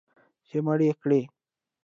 چې مړ یې کړي